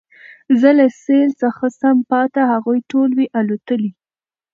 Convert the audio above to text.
زه له سېل څخه سم پاته هغوی ټول وي الوتلي